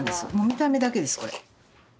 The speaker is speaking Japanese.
見た目だけですこれ。